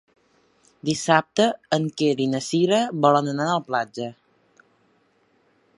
Dissabte en Quer i na Cira volen anar a la platja.